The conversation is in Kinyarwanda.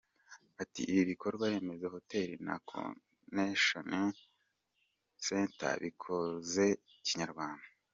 Ati “Ibi bikorwa remezo, Hotel na Conention Center bikoze Kinyarwanda.